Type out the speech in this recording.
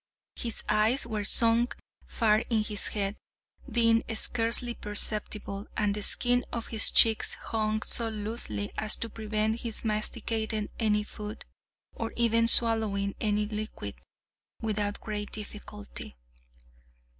His eyes were sunk far in his head, being scarcely perceptible, and the skin of his cheeks hung so loosely as to prevent his masticating any food, or even swallowing any liquid, without great difficulty.